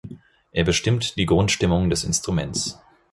Er bestimmt die Grundstimmung des Instruments.